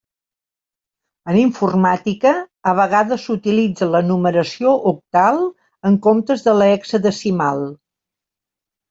En informàtica, a vegades s'utilitza la numeració octal en comptes de l'hexadecimal.